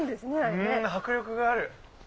うん迫力がある。